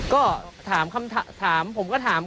ก็ถามคำถามผมก็ถาม